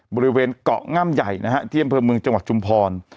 บริเวณเกาะง่ำใหญ่นะฮะที่อำเภอเมืองจังหวัดชุมพร